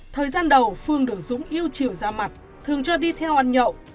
thời gian đầu phương được dũng yêu chiều ra mặt thường cho đi theo ăn nhậu